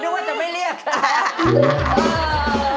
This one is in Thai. นึกว่าจะไม่เรียกค่ะ